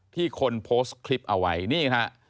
คนโพสต์คลิปเอาไว้นี่ฮะ